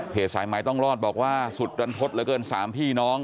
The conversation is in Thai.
สายไม้ต้องรอดบอกว่าสุดดันทดเหลือเกิน๓พี่น้อง